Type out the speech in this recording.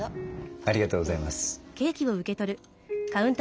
ありがとうございます。